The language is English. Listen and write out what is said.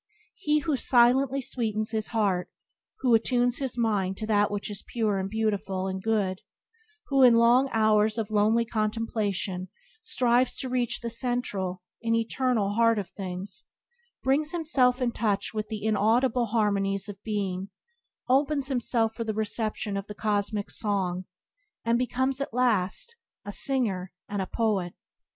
He who silently sweetens his heart, who attunes his mind to that which is pure and beautiful and good, who in long hours of lonely contemplation strives to reach to the central an eternal heart of things, brings himself in touch with the inaudible harmonies of being, opens himself for the reception of the cosmic song, and becomes at last a singer and a poet.